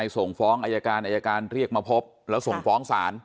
ส่งฟ้องอายการอายการเรียกมาพบแล้วส่งฟ้องศาล